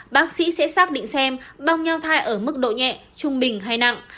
bác sĩ sẽ xác định xem băng nhau thai ở mức độ nhẹ trung bình hay nặng